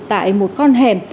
tại một con hẻm